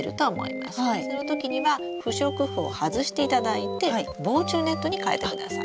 そのときには不織布を外していただいて防虫ネットに替えてください。